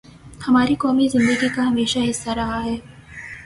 ہماری قومی زندگی کا ہمیشہ حصہ رہا ہے۔